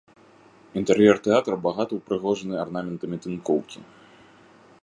Інтэр'ер тэатра багата ўпрыгожаны арнаментамі тынкоўкі.